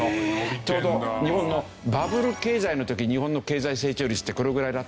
ちょうど日本のバブル経済の時日本の経済成長率ってこれぐらいだったんです。